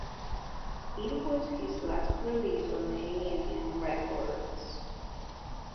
It was his last release on A and M Records.